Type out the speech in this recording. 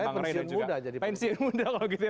saya pensiun muda jadi pensiun muda kalau gitu ya